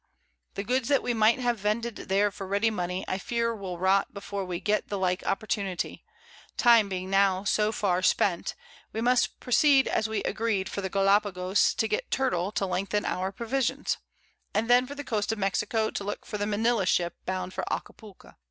The Goods that we might have vended there for ready Money, I fear will rot before we get the like Opportunity, Time being now so far spent, we must proceed as we agreed for the Gallapagos to get Turtle to lengthen our Provisions, and then for the Coast of Mexico to look for the Manila Ship bound for Acapulca.